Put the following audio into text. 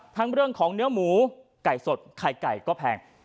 เรื่องของเนื้อหมูไก่สดไข่ไก่ก็แพง